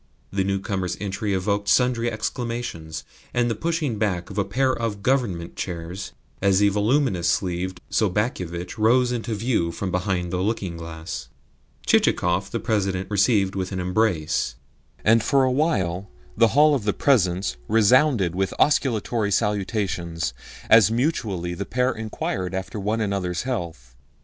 The newcomers' entry evoked sundry exclamations and the pushing back of a pair of Government chairs as the voluminous sleeved Sobakevitch rose into view from behind the looking glass. Chichikov the President received with an embrace, and for a while the hall of the Presence resounded with osculatory salutations as mutually the pair inquired after one another's health.